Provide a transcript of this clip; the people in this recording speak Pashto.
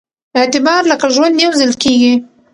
اعتبار لکه ژوند يوځل کېږي